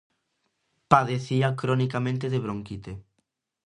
Padecía cronicamente de bronquite.